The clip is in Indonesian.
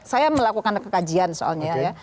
saya melakukan kekajian soalnya